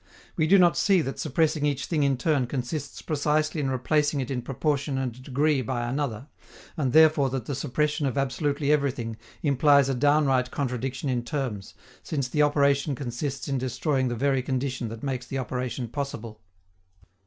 We do not see that suppressing each thing in turn consists precisely in replacing it in proportion and degree by another, and therefore that the suppression of absolutely everything implies a downright contradiction in terms, since the operation consists in destroying the very condition that makes the operation possible.